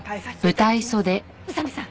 宇佐見さん